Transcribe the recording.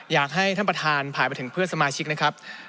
อยากให้ท่านประธานผ่านไปถึงเพื่อนสมาชิกนะครับ